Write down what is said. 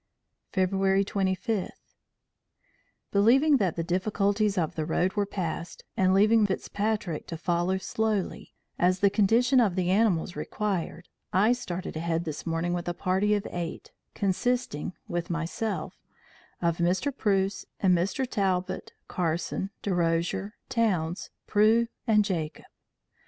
"February 25. Believing that the difficulties of the road were passed, and leaving Mr. Fitzpatrick to follow slowly, as the condition of the animals required, I started ahead this morning with a party of eight, consisting (with myself) of Mr. Preuss, and Mr. Talbot, Carson, Derosier, Towns, Proue, and Jacob.